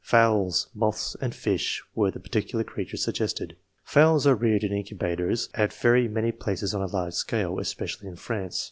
Fowls, moths, and fish were the particular creatures suggested. Fowls are reared in in cubators at very many places on a large scale, especially in France.